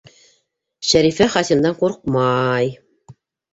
Шарифа Хасимдан ҡурҡмай-ай!